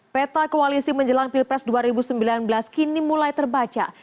peta koalisi menjelang pilpres dua ribu sembilan belas kini mulai terbaca